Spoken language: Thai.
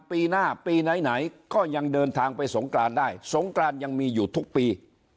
ปีหน้าปีไหนก็ยังเดินทางไปสงกรานได้สงกรานยังมีอยู่ทุกปี